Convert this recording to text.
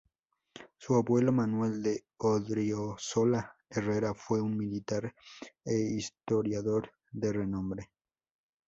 Su abuelo, Manuel de Odriozola Herrera, fue un militar e historiador de renombre.